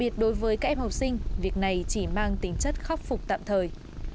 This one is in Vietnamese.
nghĩa mang tính chất khắc phục tạm thời